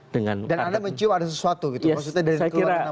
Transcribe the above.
dan anda mencium ada sesuatu gitu